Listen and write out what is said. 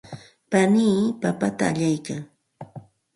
panii papata allaykan.